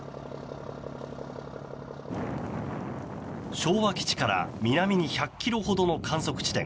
昭和基地から南に１００ｋｍほどの観測地点